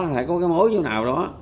phải có cái mối như nào đó